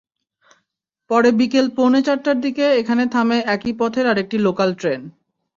পরে বিকেল পৌনে চারটার দিকে এখানে থামে একই পথের আরেকটি লোকাল ট্রেন।